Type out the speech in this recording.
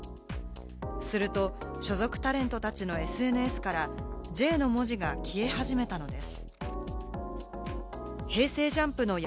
すると所属タレントたちのＳＮＳから「Ｊ」の文字が消え始めたのです。